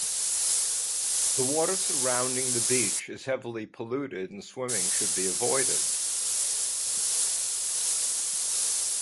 The water surrounding the beach is heavily polluted, and swimming should be avoided.